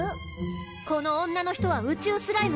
この女の人は宇宙スライム。